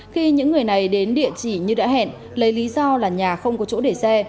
khi những người này đến địa chỉ như đã hẹn lấy lý do là nhà không có chỗ để xe